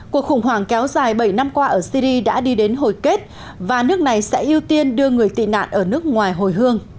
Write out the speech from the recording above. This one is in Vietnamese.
cuộc khủng hoảng kéo dài bảy năm qua ở syri đã đi đến hồi kết và nước này sẽ ưu tiên đưa người tị nạn ở nước ngoài hồi hương